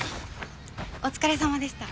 お疲れ様でした。